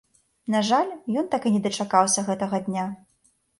На жаль, ён так і не дачакаўся гэтага дня.